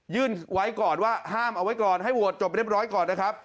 ยื่นไว้ก่อนว่าห้ามเอาไว้ก่อนให้โหวตจบเรียบร้อยก่อนนะครับ